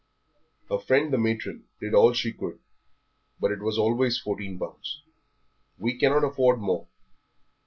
Her friend the matron did all she could, but it was always fourteen pounds. "We cannot afford more."